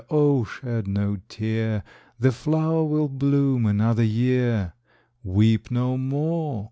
—O shed no tear, The flower will bloom another year. Weep no more!